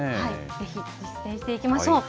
ぜひ実践していきましょう。